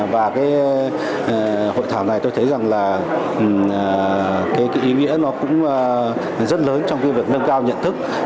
và cái hội thảo này tôi thấy rằng là cái ý nghĩa nó cũng rất lớn trong cái việc nâng cao nhận thức